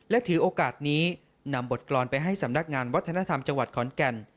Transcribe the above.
และถือโอกาสนี้นำบทกรรมไปให้สำนักงานวัฒนธรรมจังหวัดขอนแก่น